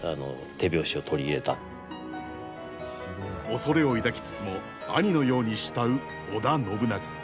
恐れを抱きつつも兄のように慕う織田信長。